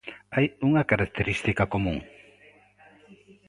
Hai unha característica común.